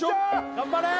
頑張れー！